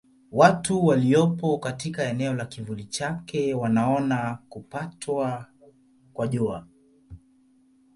Watu waliopo katika eneo la kivuli chake wanaona kupatwa kwa Jua.